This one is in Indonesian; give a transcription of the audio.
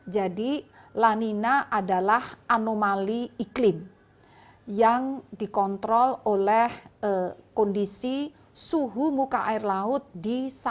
jadi lanina adalah anomali iklim yang dikontrol oleh kondisi suhu muka air laut di indonesia